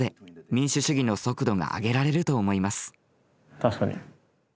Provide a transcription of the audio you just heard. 確かに。